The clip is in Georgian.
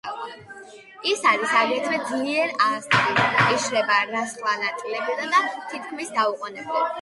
ის არის აგრეთვე ძლიერ არასტაბილური, იშლება რა სხვა ნაწილაკებად თითქმის დაუყოვნებლივ.